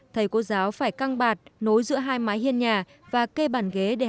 thầy cô giáo phải căng bạt nối giữa hai mái hiên nhà và cây bàn ghế để học sinh